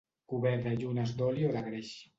Cobert de llunes d'oli o de greix.